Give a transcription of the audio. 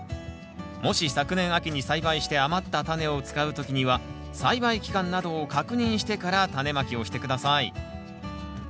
もし昨年秋に栽培して余ったタネを使う時には栽培期間などを確認してからタネまきをして下さい。